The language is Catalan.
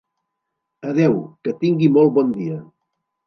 Adéu, que tingui molt bon dia.